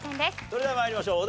それでは参りましょう。